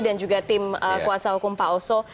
dan juga tim kuasa hukum pak oso